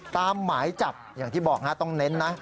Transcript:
หมายจับอย่างที่บอกต้องเน้นนะ